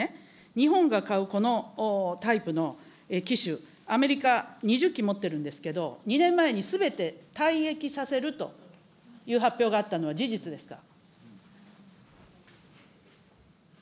日本が買うこのタイプの機種、アメリカ２０機持ってるんですけど、２年前にすべて退役させるという発表があったのは事実ですか。